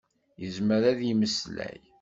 Yezmer ad yemmeslay.